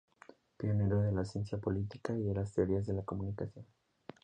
Pionero de la Ciencia política y de las teorías de la comunicación.